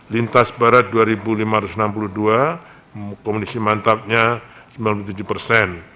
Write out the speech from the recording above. lintas barat dua lima ratus enam puluh dua komisi mantapnya sembilan puluh tujuh persen